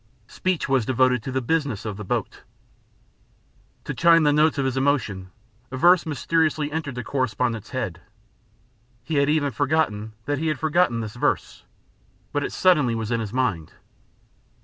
Speech was devoted to the business of the boat. To chime the notes of his emotion, a verse mysteriously entered the correspondent's head. He had even forgotten that he had forgotten this verse, but it suddenly was in his mind.